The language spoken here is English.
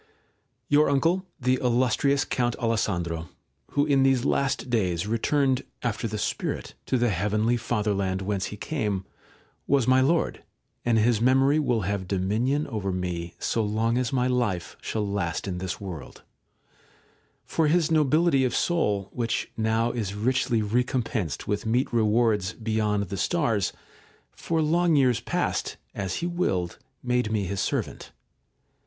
]§ 1. Your uncle, the illustrious Count Alessandro, who in these last days returned, after the spirit, to the heavenly fatherland whence he came, was my Lord, and his memory will have dominion over me so long as my life shall last in this world ; for his nobility of soul, which now is richly recompensed with meet rewards beyond the stars, for long years past, as he willed, made me his servant.